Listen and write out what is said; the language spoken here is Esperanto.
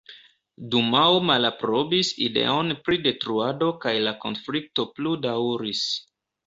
Dumao malaprobis ideon pri detruado kaj la konflikto plu daŭris.